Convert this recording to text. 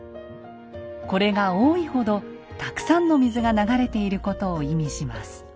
これが多いほどたくさんの水が流れていることを意味します。